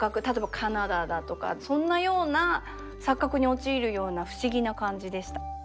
例えばカナダだとかそんなような錯覚に陥るような不思議な感じでした。